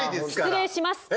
失礼します。